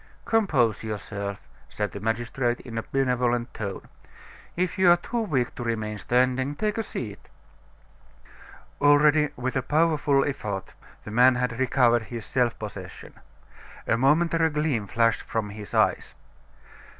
"Compose yourself," said the magistrate in a benevolent tone; "if you are too weak to remain standing, take a seat." Already, with a powerful effort, the man had recovered his self possession. A momentary gleam flashed from his eyes.